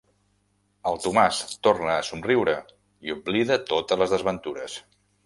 El Tomàs torna a somriure i oblida totes les desventures.